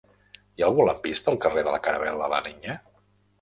Hi ha algun lampista al carrer de la Caravel·la La Niña?